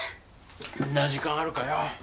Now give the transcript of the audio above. そんな時間あるかよ。